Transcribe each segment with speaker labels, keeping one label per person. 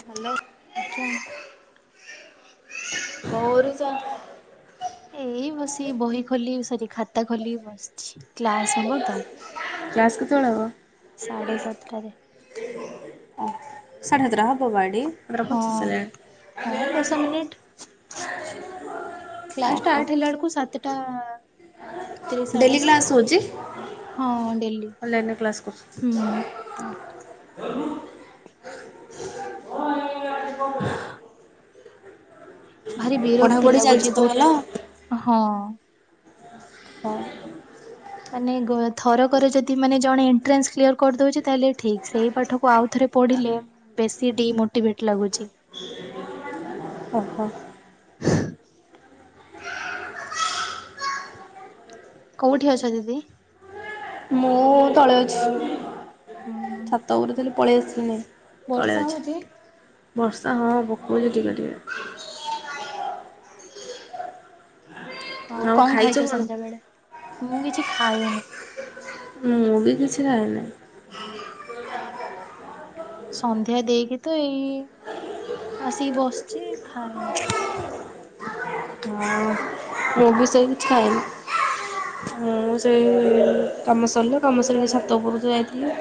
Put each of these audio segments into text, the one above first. Speaker 1: Hello
Speaker 2: ଆଜ୍ଞା
Speaker 1: କଉରି ଚା।
Speaker 2: ଏଇ ବସି ବହି ଖୋଲି ସରି ଖାତା ଖୋଲିି ବସିଛି କ୍ଲାସ ହବ ତ।
Speaker 1: କ୍ଲାସ କେତ ବେଳେ ହବ?
Speaker 2: ସାଡେ ସାତଟାରେ।
Speaker 1: ଓ ସାଢ଼େ ସାତଟା ହବ ବାଡି [unintelligible]
Speaker 2: ହଁ
Speaker 1: ପଚିଶ ହେଲାଣିିିି।
Speaker 2: ହଁ ଦଶ ମିନିଟ, କ୍ଲାସ
Speaker 1: ଓହୋ
Speaker 2: ଷ୍ଟାର୍ଟ ହେଲାକୁ ସାତଟା ଅ, ଏକତିରିଶ ଆଡେ
Speaker 1: ଡେଲି
Speaker 2: ନା ମୁଁ
Speaker 1: କ୍ଲାସ୍
Speaker 2: କହିଲି
Speaker 1: ହେଉଛି
Speaker 2: ହଁ ଡେଲି
Speaker 1: ଅନଲାଇନ୍ ରେ କ୍ଲାସ୍ କରୁଛି।
Speaker 2: ହୁଁ
Speaker 1: [unintelligible]
Speaker 2: ହ ଭାରି ବିରକ୍ତି
Speaker 1: ପଢ଼ାପଢ଼ି ଚାଲିଛି
Speaker 2: ଲାଗୁଛି
Speaker 1: ତ
Speaker 2: ଗୋ
Speaker 1: ଭଲ?
Speaker 2: ହଁ। ମାନେ ଗ ଥରକରେ ଯଦି ମାନେ ଜଣେ ଏଣ୍ଟ୍ରାନ୍ସ କ୍ଲିୟର କରିଦଉଛି ତାହେଲେ ଠିକ ସେଇ ପାଠକୁ ଆଉ ଥରେ ପଢ଼ିଲେ ବେଶୀ ଡିମୋଟିଭେଟ୍ ଲାଗୁଛି।
Speaker 1: ଓହୋ।
Speaker 2: କୋଉଠି ଅଛ ଦିଦି?
Speaker 1: ମୁଁ ତଳେ ଅଛି
Speaker 2: ହୁଁ, ହୁଁ।
Speaker 1: ଛାତ ଉପରେ ଥିଲି ପଳେଇ ଆସିଲିଣି ତଳେ
Speaker 2: ବର୍ଷା
Speaker 1: ଅଛି।
Speaker 2: ହଉଛି
Speaker 1: ବର୍ଷା ହଁ ପକଉଛି ଟିକେ, ଟିକେ।
Speaker 2: ଆଉ କଣ ଖାଇଛ ସନ୍ଧ୍ୟାବେେଳେ, ମୁଁ କିଛି ଖାଇନି।
Speaker 1: ମୁଁ ବି କିଛି ଖାଇନି।
Speaker 2: ସନ୍ଧ୍ୟା ଦେଇକି ତ ଏଇ ଆସିକି ବସିଛି, ଖାଇନି।
Speaker 1: ଆଉ ମୁଁ ବି ସେଇ କିଛି ଖାଇନି। ମୁଁ ସେଇ କାମ ସରିଲା, କାମ ସରିଲା ଛାତ ଉପରକୁ ଯାଇଥିଲି।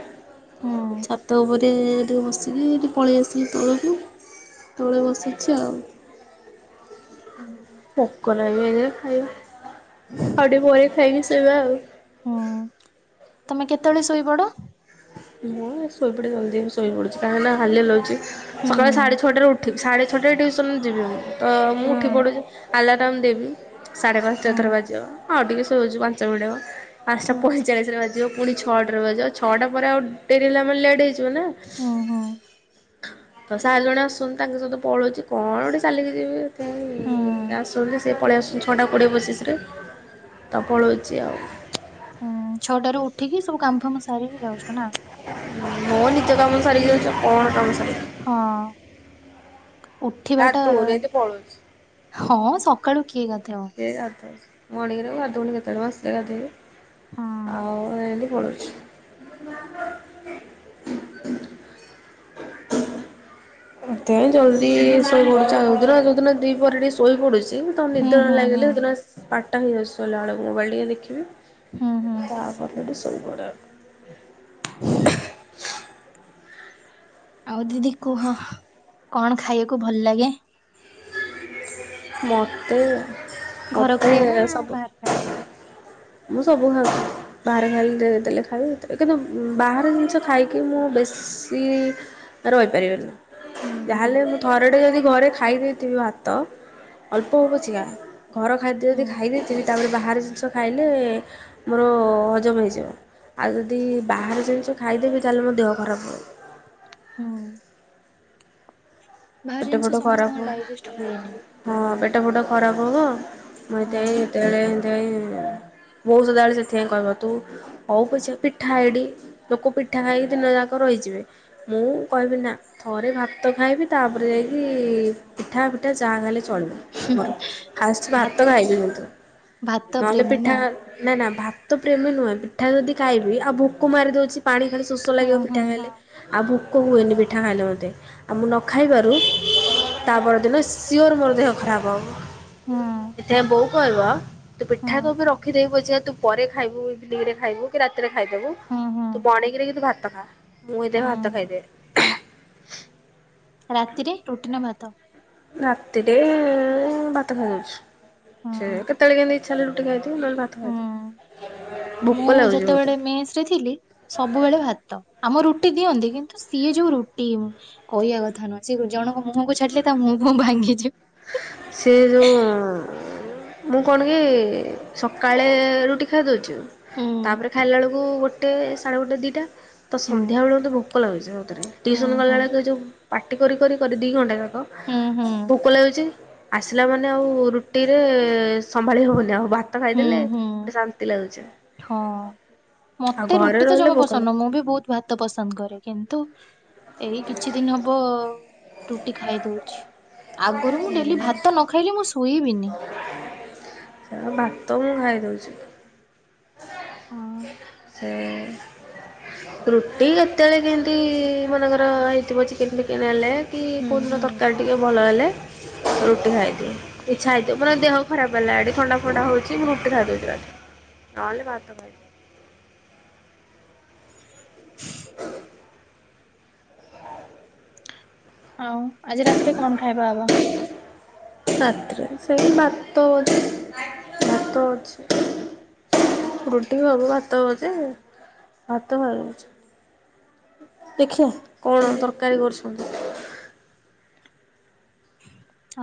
Speaker 2: ହୁଁ।
Speaker 1: ଛାତ ଉପରେ ଟେ ଟିକେ ବସିକି ଟିକେ ପଳେଇ ଆସିଲି ତଳକୁ ତଳେ ବସିଛି ଆଉ।
Speaker 2: ଉଁ ହୁଁ।
Speaker 1: ଭୋକ ଲାଗିଲେ ଯାଇ ଖାଇବା, ଆଉ ଟିକେ ପରେ ଖାଇକି ଶୋଇବା ଆଉ।
Speaker 2: ହୁଁ, ତମେ କେତେବେଳେ ଶୋଇପଡ?
Speaker 1: ମୁଁ ଶୋଇପଡେ ଜଲ୍ଦି ମୁଁ ଶୋଇପଡୁଛି, କାହିଁକି ନା ହାଲିଆ ଲାଗୁଛି
Speaker 2: ହୁଁ
Speaker 1: ସକାଳ ସାଢେଛଟାରୁ ଉ ଠିବି ସାଢ଼େ ଛଅଟାରେ ଟିଉସନ ଯିବି ମୁଁ ତ ମୁଁ
Speaker 2: ହୁଁ
Speaker 1: ଉଠି ପଢ଼ୁଛି ଆଲାରମ୍ ଦେବି। ସାଢେ ପାଞ୍ଚଟା
Speaker 2: ହୁଁ
Speaker 1: ଥର ବାଜିବ ହଁ ଟିକେ ଶୋଉଛି ପାଞ୍ଚ ମିନିଟ ହବ ପାଞ୍ଚଟା
Speaker 2: ହୁଁ
Speaker 1: ପଇ ଚାଳିଶରେ ବାଜିବ ପୁଣି ଛଅଟାରେ ବାଜିବ, ଛଅଟା ପରେ ଆଉ ଡେରି ହେଲା ମାନେ ଲେଟ୍ ହେଇଯିବ ନା।
Speaker 2: ହୁଁ ହୁଁ।
Speaker 1: ତ ସାର ଜଣେ ଆସୁଛନ୍ତି ତାଙ୍କ ସହିତ ପଳଉଛି କଣ ଗୋଟେ ଚାଲିକି ଯିବି ଏଥିପାଇଁ।
Speaker 2: ହୁଁ।
Speaker 1: ସିଏ ଆସନ୍ତି ସିଏ ପଳେଇ ଆସୁଛି ଛଅଟା କୋଡ଼ିଏ ପଚିଶରେ ତ ପଳଉଛି ଆଉ।
Speaker 2: ହୁଁ, ଛଅଟାରୁୁ ଉଠିକି ସବୁ କାମ ଫାମ ସାରିକି ଯାଉଛ ନା?
Speaker 1: ମୋ ନିତ୍ୟ କାମ ସାରିକି ଯାଉଚି ଆଉ, କଣ କାମ ସାରିବି।
Speaker 2: ହଁ ଉଠିବାଟା
Speaker 1: ଗାଧଉନି ଏମିତି ପଳଉଛି
Speaker 2: ହଁ ସକାଳୁ କିଏ ଗାଧେଇବ।
Speaker 1: କିଏ ଗାଧଉଛି, ମର୍ଣ୍ଣିଂରେ ମୁଁ ଗାଧଉନି କେତେବେଳେ ମୁଁ ଆସିଲେ
Speaker 2: ହଁ
Speaker 1: ଗାଧୋଇବି ଆଉ ଏନ୍ତି ପଳଉଛି। ସେଥିପାଇଁ ଜଲ୍ଦି ଶୋଇପଡୁଛି ଆଉ, ଦିନ ଯୋଉଦିନ ଦ୍ଵିପହରେ ଟିକେ ଶୋ ଶୋଇପଡୁଛି, ତ
Speaker 2: ହୁଁ
Speaker 1: ନିଦ ନ
Speaker 2: ହୁଁ ହୁଁ।
Speaker 1: ଲାଗିଲେ ସେଦିନ ବାରଟା ହେଇଯାଉଛି ଶୋଇଲା ବେଳକୁ ମୋବାଇଲ୍ ଟିକେ ଦେଖିବି।
Speaker 2: ହୁଁ ହୁଁ।
Speaker 1: ତାପରେ ହେଠୁ ଶୋଇପଡ଼େ ଆଉ। [unintelligible]
Speaker 2: ଆଉ ଦିଦି କୁହ କଣ, ଖାଇବାକୁ ଭଲ ଲାଗେ?
Speaker 1: ମୋତେ,
Speaker 2: ଘର
Speaker 1: ମୋତେ
Speaker 2: ଖାଇବା ନା
Speaker 1: ସବୁ
Speaker 2: ବାହାର ଖାଇବା?
Speaker 1: ମୁଁ ସବୁ ଖଉଚି। ବାହାରେ ହେଲେ, ଦେଲେ ଖାଇ କିନ୍ତୁ ବାହାର ଜିନିଷ ଖାଇକି ମୁଁ ବେଶୀ ରହିପାରିବନି
Speaker 2: ହୁଁ ହୁଁ।
Speaker 1: ଯାହାହେଲେ ବି ଥରେଟେ ଯଦି ଘରେ ଖାଇ ଦେଇେଥିବି ଭାତ ଅଳ୍ପ ହୋଉ ପାଛିକା, ଘର ଖାଦ୍ୟ
Speaker 2: ହୁଁ
Speaker 1: ଯଦି ଖାଇ ଦେଇଥିବି ତାପରେ,। ବାହାର ଜିନିଷ ଖାଇଲେ ମୋର ହଜମ ହେଇଯିବ। ଆଉ ଯଦି ବାହାର ଜିନିଷ ଖାଇଦେବି ତାହେଲେ ମୋ ଦେହ ଖରାପ ହବ।
Speaker 2: ହୁଁ ବାହାର
Speaker 1: ପେଟ
Speaker 2: ଜିନିଷ
Speaker 1: ଫେଟ ଖରାପ
Speaker 2: ସମସ୍ତଙ୍କ
Speaker 1: ହେବ
Speaker 2: ଡାଇଜେଷ୍ଟ ହୁଏନି।
Speaker 1: ହଁ ପେଟ ଫୁଟ ଖରାପ ହବ ମୁଁ ସେଥିପାଇଁ
Speaker 2: ହଁ।
Speaker 1: ଯେତେବେଳେ ବୋଉ ସଦାବେଳେ ସେଥିପାଇଁ କହିବ ତୁ ହଉ ପଛେ ପିଠା ଏଇଠି ଲୋକ ପିଠା ଖାଇକି ଦିନ ଯାକ ରହିଯିବେ। ମୁଁ କହିବି ନା ଥରେ ଭାତ ଖାଇବି ତାପରେ ଯାଇକି ପିଠା ଫିଠା ଯାହା ହେଲେ ବି ଚଳିବ ମୋର ଫାଷ୍ଟ
Speaker 2: ଭା
Speaker 1: ଭାତ ଖାଇବି କିନ୍ତୁ।
Speaker 2: ଭାତ
Speaker 1: ନହେଲେ
Speaker 2: ପ୍ରେମୀ ନା?
Speaker 1: ପିଠା ନା, ନା ଭାତ୍ ତ ପ୍ରେମୀ ନୁହେଁ ପିଠା ଯଦି ଖାଇବି ଆଉ ଭୋକ ମାରିଦଉଛି ପାଣି ଖାଲି ଶୋଷ ଲାଗିବ
Speaker 2: ହୁଁ ହୁଁ
Speaker 1: ପିଠା
Speaker 2: ହୁଁ
Speaker 1: ଖାଇଲେ। ଆଉ ଭୋକ ହୁଏନି ପିଠା ଖାଇଲେ ମତେ ଆଉ ମୁଁ ନ ଖାଇବାରୁ ତା ପରଦିନ ସିଓର ମୋର ଦେହ ଖରାପ
Speaker 2: ହୁଁ
Speaker 1: ହେବ। ଏଥିାଇଁ ବୋଉ କହିବ ତୁ
Speaker 2: ହୁଁ
Speaker 1: ପିଠା ତପେଇଁରଖିଦେବି ପଛିକା ତୁ ପରେ ଖାଇବୁ ଇଭିନଙ୍ଗର ଖାଇବୁ। ରାତିରେ ଖାଇଦେବୁ
Speaker 2: ହୁଁ ହୁଁ
Speaker 1: ତୁ ବର୍ଣିଙ୍ଗରେ କି ତୁ ଭାତ ଖା ମୁଁ ହେଇ ଦେଖ୍
Speaker 2: ହୁଁ।
Speaker 1: ଭାତ ଖାଇଦେ ନି।
Speaker 2: ରାତିରେ ରୁଟି ନା ଭାତ?
Speaker 1: ରାତିରେ ବାତ ଖାଇ ଦଉଛି
Speaker 2: ହୁଁ।
Speaker 1: ସେ କେ କେତେବେଳେ କେମିତି ଇଛା ହେଲେ ରୁଟି ଖାଇଦେ ନଲେ ଭତ
Speaker 2: ହୁଁ।
Speaker 1: ଖାଇଦେ ଭୋକ ଲାଗୁଛି ବହୁତରେ।
Speaker 2: ମେସ ରେ ଥିଲି ସବୁବେଳେ ଭାତ ଆମକୁ ରୁଟି ଦିଅନ୍ତି କିନ୍ତୁ ସିଏ ଯୋଉ ରୁଟି କଇଆ କଥା ନୁହଁ ସେ ଜଣଙ୍କ ମୁହଁକୁ ଛାଡିଲେ ତା ମୁହଁ ଫୁଅ ଭାଙ୍ଗିଯିବ।
Speaker 1: ସେ ଯୋଗ ମୁଁ କଣ କି ସକାଳେ ଟିକ୍ ଖାଇ ଦେଉଛୁ
Speaker 2: ହୁଁ
Speaker 1: ତାପରେ ଖାଇଲା ବେଳକୁ ଗୋଟେ ସାଢ଼େ ଗୋଟେ ଦିଇଟା ତ
Speaker 2: ହୁଁ
Speaker 1: ସନ୍ଧ୍ୟାବେଳ ତ ଭୋକ ଭୋକ ଲାଗୁଛି ସତରେ
Speaker 2: ହୁଁ
Speaker 1: ଟିଉସନ ଗଲା
Speaker 2: ହୁଁ
Speaker 1: ବେଳେ ଯଉ ପାଟି କରି କରି, ଦି ଘଣ୍ଟା କାଳ
Speaker 2: ହୁଁ ହୁଁ
Speaker 1: ଭୋକ ଲାଗୁଛି। ଆସିଲା ମାନେ ଆଉ ରୁଟିରେ ସମ୍ଭାଳି ହବନି ଆଉ ଭାତ
Speaker 2: ହୁଁ
Speaker 1: ଖାଇଦେଲେ
Speaker 2: ହୁଁ
Speaker 1: ଟିକେ ଶାନ୍ତି ନ୍ତି ଲାଗୁଛି।
Speaker 2: ହଁ
Speaker 1: ଆଉ
Speaker 2: ମତେ
Speaker 1: ଘରେ
Speaker 2: ରୁଟି ତ
Speaker 1: ରହିଲେ
Speaker 2: ଜମା
Speaker 1: ଭୋକ
Speaker 2: ପସନ୍ଦ ମୁଁ ବି ବହୁତ ଭାତ ପସନ୍ଦ କରେ କିନ୍ତୁ ଏଇ କିଛି ଦିନ ହବ ରୁଟି ଖାଇ ଦଉଛି। ଆଗରୁ ମୁଁ ଡେଲି ଭାତ ନ ଖାଇଲେ ମୁଁ ଶୋଇବିନି।
Speaker 1: ଭାତ ମୁଁ ଖାଇ ଦଉଛି।
Speaker 2: ହଁ।
Speaker 1: ଏ ରୁଟି କେତେବେଳେ କେମିତି ମନେଙ୍କର ହେଇଥିବ ଚିକେନ ଫିକେନ ହେଲେ। କି
Speaker 2: ହୁଁ
Speaker 1: କୋଡ଼ଦିନ
Speaker 2: ହୁଁ
Speaker 1: ତରକାରୀ ଟିକେ ଭଲ ହେଲେ
Speaker 2: ହୁଁ
Speaker 1: ରୁଟି ଖାଇଦିଏ ଇଚ୍ଛା ହେଇଥିଏ ମାନେ ଦେହକୁ ଖରାପ ହେଲା ଏ ଥଣ୍ଡା ଫଣ୍ଡା ହଉଛି ମୁଁ ରୁଟି ଖାଇଦଉଛି ନହେଲେ ଭାତ ଖାଇି ହ [unintelligible]
Speaker 2: ଆଉ ଆଜି ରାତିରେ କଣ ଖାଇବା ହବ?
Speaker 1: ରାତିରେ ସେଇ ଭାତବୋଧେ। ଭାତ ଅଛି ରୁଟି ଭାତ ହଉଛି ଭାତ ଉଛି ଦେଖିବା କଣ ତରକାରୀ କରୁଛନ୍ତି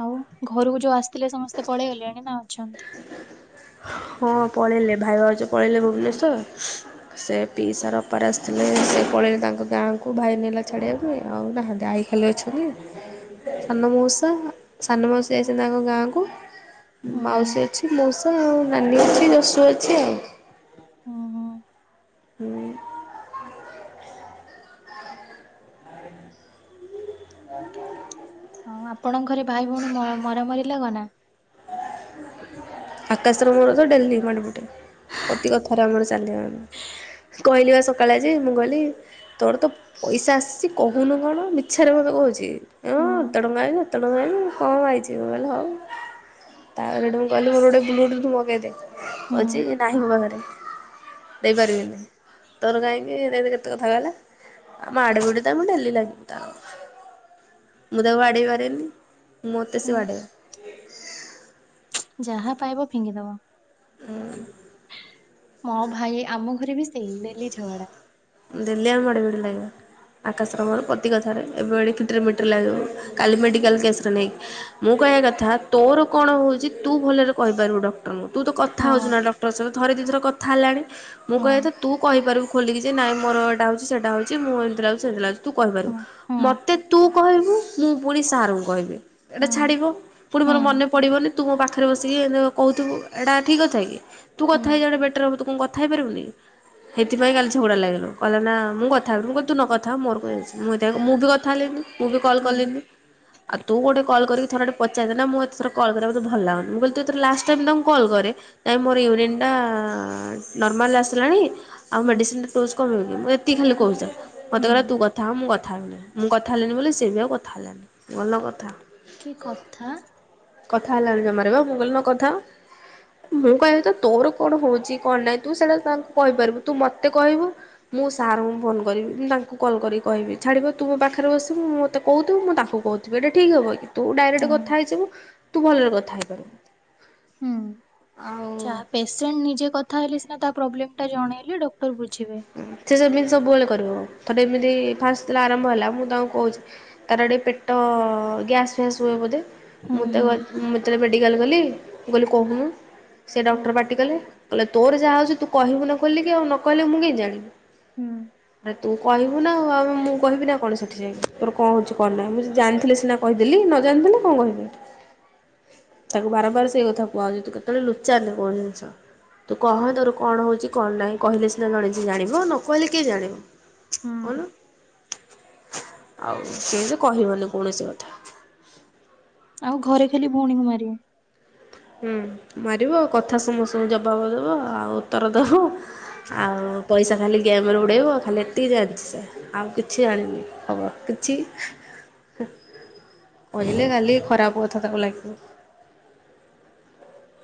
Speaker 2: ଆଉ ଘରକୁ ଯୋଉ ଆସିଥିଲେ ସମସ୍ତେ ପଳେଇଗଲେଣି ନା ଅଛନ୍ତି?
Speaker 1: ହଁ ପଳେଇଲେ ଭାଇ ଭାଉଜ ପଳେଇଲେ ଭୁବନେଶ୍ଵର ସେ ପିଇସାର ଅପାର ଆସିଥିଲେ ସେ ପଳେଇଲେ ତାଙ୍କ ଗାଁକୁ ଭାଇ ନେଲା ଛାଡିବାକୁ ଆଉ ହ୍ୟାଲୋ ଅଛନ୍ତି ସାନମାଉସା ସାନମାଉସୀ ଯାଇଛନ୍ତି ତାଙ୍କ ଗାଁକୁ
Speaker 2: ହୁଁ
Speaker 1: ମାଉସୀ ଅଛି ମଉସା ଆଉ ନାନୀ ଅଛି ଯଶୁ ଅଛି ଆଉ
Speaker 2: ଓହୋ
Speaker 1: ହୁଁ ହ
Speaker 2: ହଁ ଆପଣଙ୍କ ଘରେ ଭାଇ ଭଉଣୀ ମରାମରି ଲାଗନା?
Speaker 1: ଆକାଶର ମୋର ତ ଡେଲି ବାଡ଼ାପିଟା ପ୍ରତି କଥାରେ ଆମର ଚାଲେ କହିଲି ବା ସକାଳେ ଯେ ମୁଁ ଗଲି ତୋର ତ ପଇସା ଆସିଛି କହୁନୁ କଣ ମିଛାରେ ଭବେ କହୁଛି ହଁ
Speaker 2: ହୁଁ।
Speaker 1: ଏତେ ଟଙ୍କା ଆଇ କେତେ ଟଙ୍କା ଆଇଲା କମ୍ ଆଇଛି ମୁ କହିଲି ହଉ ତାପରେ ମୁଁ କହିଲି ମୋର ଗୋଟ ବ୍ଲୁଟୁଥ ମଗେଇଦେ
Speaker 2: ହୁଁ।
Speaker 1: ଅଛି କି ନାହିଁ ମୋ ପାଖରେ ଦେଇପାରିବିନି। ତର କାହିଁକି ଏ କେତେ କଥା କଲା ଆଉ ମାଡ ବଡ ତ ମୁ ଡାଲି ଲାଗିବି ତାଉ ମୁଁ ତାକୁ ବାଡେଇ ପାରେନି ମୋତ ସେ
Speaker 2: ହୁଁ।
Speaker 1: ବାଡ଼େଇବା।
Speaker 2: ଯାହା ପାଇବ ଫିଙ୍ଗିଦବ।
Speaker 1: ହୁଁ
Speaker 2: ମୋ ଭାଇ ଆମ ଘରେ ବି ସେଇ ଡେଲି ଝଗଡା।
Speaker 1: ଡେଲି ଆମେ ମାଡଗୋଳି ଲାଗିବୁ। ଆକାଶର ମୋର ପ୍ରତି କଥାରେ ଏବେ ଓଳି କିଟ୍ରରେ ମିଟ୍ରି ଲାଗିମୁ କାଲି ମେଡ଼ିକାଲ୍ କେସେ୍ ରେ ନେଇକି। ମୁଁ କହିବା କଥା ତୋର କଣ ହଉଛି ତୁ ଭଲରେ କହିପାରିବୁ ଡଃ କ୍ଟରଙ୍କୁ ତୁ କଥା ହଉଛୁ
Speaker 2: ହଁ
Speaker 1: ନା ଡକ୍ଟରଙ୍କ ସହିତ ଥରେ ଦିଇ ଥର କଥା ହେଲାଣି ମୁଁ
Speaker 2: ହଁ
Speaker 1: କହିବା କଥା ତୁ କହିପାରିବୁ ଖୋଲିକି ଯେ ନାଇଁ ମୋର ଏଇଟା ହେଉଛି ସେଇଟା ହେଉଛି ମୁଁ ଏମିତି ଲାଗୁଛି ସେମିତି ଲାଗୁଛି ତୁ କହିପାରିବୁ
Speaker 2: ହଁ ହଁ
Speaker 1: ମୋତେ ତୁ କହିବୁ ମୁଁ ପୁଣି ସାର୍ ଙ୍କୁ କହିବି ଏଇଟା
Speaker 2: ହଁ
Speaker 1: ଛାଡ଼ିବ ପୁଣି
Speaker 2: ହଁ
Speaker 1: ମୋର ମନେ ପଡ଼ିବନି ତୁ ମୋ ପାଖରେ ବସିକି ଏମିତି କହୁଥିବୁ ଏଇଟା ଠିକ୍ କଥାକି ତୁ
Speaker 2: ହୁଁ
Speaker 1: କଥା ହେଇଯିବାଟା ବେଟର ହବ ତୁ କଣ କଥା ହେଇ ପାରିବୁନି କି ସେଥିପାଇଁ କାଲି ଝଗଡା ଲାଗିଲୁ କହିଲାନା ମୁଁ କଥା ହେବିନି ମୁଁ କହିଲି ତୁ ନକଥାହୋ ମୋର କଣ ଯାଉଛି ମୁଁ ବି କଥା ହେଲିନି। ମୁଁ ବି କଲ୍
Speaker 2: ହୁଁ ହୁଁ
Speaker 1: କଲିନି। ଆଉ ତୁ ଗୋଟେ କଲ କରିକି ଥରଟେ ପଚାରିଦେ। ନା ମୁଁ ଏତେ ଥର କଲ କରିବାକୁ ମତେ ଭଲ ଲାଗୁନି। ମୁଁ କିଲୁ ଏଥର ଲାଷ୍ଟ ଟାଇମ୍ ତାଙ୍କୁ କଲ କରେ ନାଇଁ ମୋର ୟୁରିନ୍ ଟା ନର୍ମାଲ ଆସିଲାଣି ଆଉ
Speaker 2: ହୁଁ
Speaker 1: ମେଡିସିନ୍ ଡୋଜ କମିବ କି? ମୁଁ ଏତିକି ଖାଲି କହୁଛି ତାକୁ ମତେ
Speaker 2: ହୁଁ।
Speaker 1: କହିଲା ତୁ କଥା ହୋ ମୁଁ କଥା ହେବିନି। ମୁଁ କଥା ହେଲିନି ବୋଲି ସେ ବି ଆଉ କଥା ହେଲାନି ମୁ କହିଲି ନ କଥା ହୋ।
Speaker 2: କି କଥା?
Speaker 1: କଥା ହେଲାଣି ଜମାରୁ ବା ମୁଁ କହିଲି ନ କଥା ହୋ। ମୁଁ କହିବା କଥା ତୋର କଣ ହଉଛି କଣ ନାହିଁ ତୁ ସେଇଟା ତାଙ୍କୁ କହିପାରିବୁ ତୁ ମତେ କହିବୁ ମୁଁ ସାର୍ ଙ୍କୁ ଫୋନ କରିବି। ମୁଁ ତାଙ୍କୁ କଲ୍ କରି କହିବି ଛାଡ଼ିବ ତୁ ମୋ ପାଖରେ ବସିବୁ। ତୁ ମୋତେ କହୁଥିବୁ ମୁଁ ତାଙ୍କୁ କହୁ ଏଇଟା ଠିକ୍ ହବ କି? ତୁ ଡାଇରେକ୍ଟ
Speaker 2: ଉଁ
Speaker 1: କଥା ହେଇଯିବୁ ତୁ ଭଲରେ କଥା ହେଇପାରିବୁ।
Speaker 2: ହୁଁ
Speaker 1: ଆଉ
Speaker 2: ଯାହା ପେ ପେସେଣ୍ଟ ନିଜେ କଥା ହେଲେ ସିନା ତା ପ୍ରୋବଲ୍ମେ୍ ଟା ଜଣେଇଲେ ଡକ୍ଟର ବୁଝିବେ
Speaker 1: ସେ ସେମିତି ସବୁବେଳେ କରିବ ଥର ଏମିତି ଫାଷ୍ଟ ଯେତେବେଳେ ଆରମ୍ଭ ହେଲା ମୁଁ ତାଙ୍କୁ କହୁଛି ତାର ଟିକିଏ ପେଟ ଗ୍ୟାସ୍ ଫ୍ୟାସ୍ ହୁଏ ବୋଧେ
Speaker 2: ହୁଁ
Speaker 1: ମୁଁ
Speaker 2: ହୁଁ।
Speaker 1: ତାକୁ ଆଜି ମୁଁ ଯେତେଳେ ମେଡ଼ିକାଲ ଗଲି କହଲି କହୁନ। ସେ
Speaker 2: ହୁଁ
Speaker 1: ଡକ୍ଟର ପାଟି କଲେ କହିଲେ ତୋର ଯାହା ହଉଛି ତୁ କହିବୁ ନା ଖୋଲିକି ଆଉ ନ କହିଲେ ମୁଁ କେମିତି ଜାଣିବି।
Speaker 2: ହୁଁ।
Speaker 1: ଆରେ ତୁ କହିବୁ ନା ଆଉ ମୁଁ କହିବି ନା କଣ ସେଠି ଯାଇକି ତୋର କଣ ହଉଛି କଣ ନାହିଁ ମୁଁ ଜାଣିିଥିଲେ ସିନା। କହିଦେଲି ନ ଜାଣିଥିଲେ କଣ କହିବି। ତାକୁ ବାରମ୍ବାର ସେଇ କଥା କୁହାଉଛି ତୁ କେତେଳେ ଲୁଚାନା କୋୖଣସି ଜିନିଷ। ତୁ କହ ତୋର କଣ ହଉଛି କଣ ନାହିଁ କହିଲେ ସିନା ଜଣେ ଯେ ଜାଣିବ ନ କହିଲେ କିଏ ଜାଣିବ।
Speaker 2: ହୁଁ
Speaker 1: କହୁନୁ ଆଉ [unintelligible] କହିବନି କୌଣସି କଥା।
Speaker 2: ଆଉ ଘରେ ଖାଲି ଭଉଣୀକୁ ମାରିମି।
Speaker 1: ହୁଁ ମାରିବ କଥା ସମସ୍ତଙ୍କୁ ଜବାବ ଦବ ଆଉ ଉତ୍ତର ଦବ। ଆଉ ପଇସା ଖାଲି ଗେମ୍ ରେ ଉଡେଇବ ଆଉ ଖାଲି ଏତିକି ଜାଣିଚି ସେ। ଆଉ କିଛି ଜାଣିନି ଖବର କିଛି। କହିଲେ ଗାଲି ଖରାପ କଥା ତାକୁ ଲାଗିବ।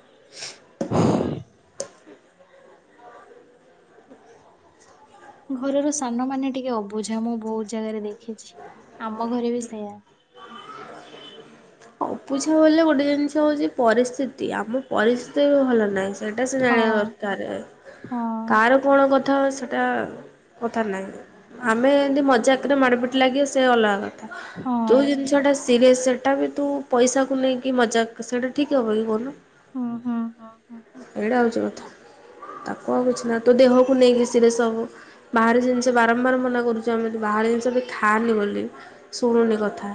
Speaker 1: [unintelligible]
Speaker 2: ଘରର ସାନ ମାନେ ଟିକିଏ ଅବୁଝା ମୁଁ ବହୁତ ଜାଗାରେ ଦେଖିଛି ଆମ ଘରେ ବି ସେୟା।
Speaker 1: ଅବୁଝା ବୋଲି ଗୋଟେ ଜିନିଷ ହଉଛି ପରିସ୍ଥିତି ଆମ ପରିସ୍ଥିତି। ଭଲ ନହିଁ ସେଇଟା ସେ
Speaker 2: ହଁ
Speaker 1: ଜାଣିବା ଦରକାର
Speaker 2: ହଁ
Speaker 1: କାର କଣ କଥା ସେଇଟା କଥାରେ ନାଇଁ। ଆମେ ଏମିତି ମଜାକରେ ମାଡ ପିଟି ଲାଗିବା ସେ ଅଲଗା। ଯୋଉ
Speaker 2: ହଁ।
Speaker 1: ଜିନିଷ ଟା ସିରିଏସ ସେଟା ବି ତୁ ପଇସାକୁ ନେଇକି ମଜାକ୍ ସେଇଟା ଠିକ୍ ହବ କି କୁହନ୍ତୁ।
Speaker 2: ହୁଁ ହୁଁ ହଁ ହଁ।
Speaker 1: ଏଇଟା ହଉଛି କଥା ତାକୁ ଆଉ କିଛି ନା ତୁ ଦେହକୁ ନେଇକି ସିରିଏସ୍ ହବ। ବାହାର
Speaker 2: ହୁଁ।
Speaker 1: ଜିନିଷ ବାରମ୍ବାର ମନା କରୁ ଯେମିତି ବାହାର ଜିନିଷ ବି ଖାଆନି ବୋଲି ଶୁଣୁନି କଥା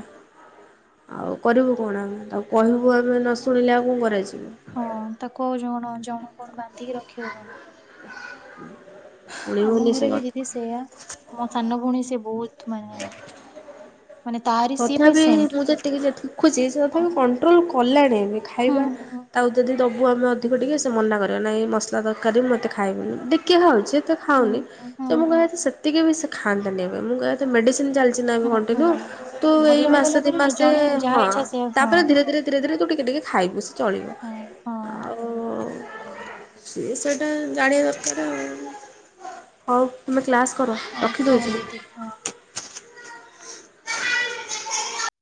Speaker 1: ଆଉ। କରିବୁ କଣା ତାକୁ କହିବୁ ଆମେ ନ ଶୁଣିଲେ ଆଉ କଣ କରାଯିବ।
Speaker 2: ହଁ ତାକୁ ଜଣ ଜଣକୁ କଣ ବାନ୍ଧିକି ରଖିହବନା।
Speaker 1: [unintelligible]
Speaker 2: [unintelligible] ଆମ
Speaker 1: ଶୁଣିବୁନି
Speaker 2: ଘରେ
Speaker 1: ସେ
Speaker 2: ବି ଦିଦି
Speaker 1: କଥା।
Speaker 2: ସେୟା ମୋ ସାନ ଭଉଣୀ ସେ ବହୁତ୍ ମାନେ। ମାନେ ତାହାରି
Speaker 1: ତଥାପି ମୁଁ ଯେତିକି ଦେଖୁଛି ସେ
Speaker 2: ହଁ
Speaker 1: ତଥାପି କଣ୍ଟ୍ରୋଲ୍ କଲାଣି
Speaker 2: ହୁଁ
Speaker 1: ଖାଇବା।
Speaker 2: ହୁଁ
Speaker 1: ତାଉ। ଯଦି ଦବୁ ଆମେ ଅଧିକ ଟିକେ ସେ ମନା କରିବ ନାହିଁ ମସଲା ତକାରୀ ମୋତେ ଖାଇବିନି ଟିକେ ଧରୁଚି। ଏତେ
Speaker 2: ହୁଁ
Speaker 1: ଖାଉନି
Speaker 2: ହୁଁ ହୁଁ
Speaker 1: ତମୁ
Speaker 2: ହୁଁ
Speaker 1: କଇଆ ସେତିକି ବି ସେ ଖାଆନ୍ତାନି ମୁଁ ମେଡିସିନ୍ ଚାଲ ଦିନେ
Speaker 2: ହୁଁ
Speaker 1: କଣ୍ଟିଲୁ
Speaker 2: ହୁଁ
Speaker 1: ତୁ
Speaker 2: ହୁଁ
Speaker 1: ଏଇ
Speaker 2: ଭଲ ହେଇଗଲା
Speaker 1: ମାସ ଦି
Speaker 2: ପରେ କି
Speaker 1: ମାସେ
Speaker 2: ଜଣେ ଯାହା
Speaker 1: ହଁ
Speaker 2: ଇଚ୍ଛା ସେ ହଁ
Speaker 1: ତାପରେ ଧିର୍ ଧୀରେ ଧୀରେ ଧୀରେ ଧୀରେ ତୁ ଟିକେ ଟିକେ ଖାଇବୁ ସେ ଚଳିବ
Speaker 2: ହଁ ହଁ
Speaker 1: ଆଉ। ସିଏ ସେଟା ଜାଣିବା ଦରକାର ଆଉ। ହଉ ତୁମେ କ୍ଲାସ୍ କର
Speaker 2: ହଁ ହଁ
Speaker 1: ରଖିଦଉଚି।
Speaker 2: ଦିଦି ହଁ।
Speaker 1: [unintelligible]